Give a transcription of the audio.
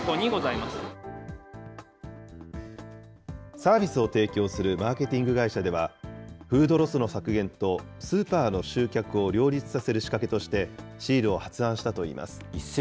サービスを提供するマーケティング会社では、フードロスの削減とスーパーの集客を両立させる仕掛けとして、シールを発案したといいます。